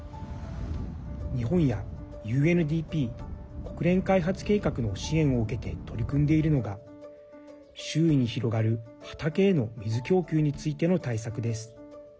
日本やＵＮＤＰ＝国連開発計画の支援を受けて取り組んでいるのが周囲に広がる畑への水供給についての対策です。